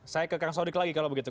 saya ke kang sodik lagi kalau begitu